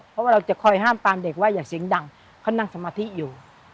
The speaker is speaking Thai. เพราะว่าเราจะคอยห้ามปามเด็กว่าอย่าเสียงดังเขานั่งสมาธิอยู่